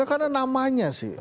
gak ada namanya sih